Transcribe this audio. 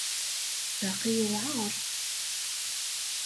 Baqi yewɛer.